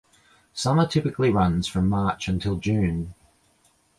Summer typically runs from March until June.